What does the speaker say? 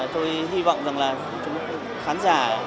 tôi hy vọng rằng là khán giả